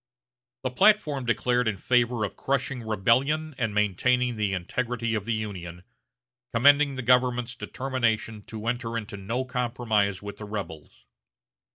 The platform declared in favor of crushing rebellion and maintaining the integrity of the Union, commending the government's determination to enter into no compromise with the rebels.